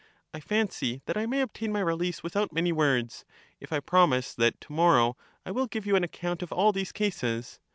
I fancy that I may obtain my release with p«>tarchus. out many words ;— if I promise that to morrow I will give you an account of all these cases.